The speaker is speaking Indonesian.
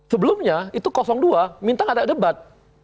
sebelumnya itu dua minta gak ada debat